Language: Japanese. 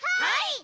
はい！